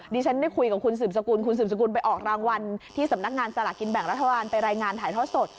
ดิฉันได้คุยกับคุณสืบสกุลคุณสืบสกุลไปออกรางวัลที่สำนักงานสลากกินแบ่งรัฐบาลไปรายงานถ่ายทอดสด